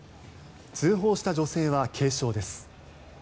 通報した女性は軽傷です。